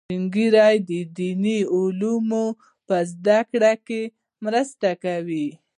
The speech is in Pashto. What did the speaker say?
سپین ږیری د دیني علومو په زده کړه کې مرسته کوي